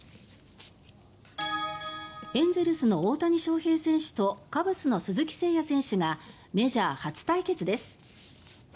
エンゼルスの大谷翔平選手とカブスの鈴木誠也選手がメジャー初対決です。